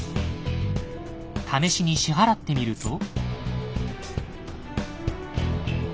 試しに支払ってみると。